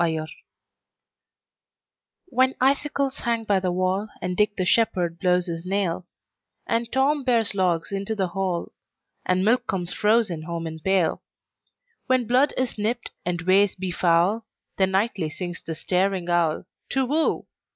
Winter WHEN icicles hang by the wallAnd Dick the shepherd blows his nail, And Tom bears logs into the hall, And milk comes frozen home in pail; When blood is nipt, and ways be foul, Then nightly sings the staring owlTu whoo!